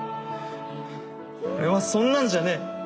俺はそんなんじゃねぇ。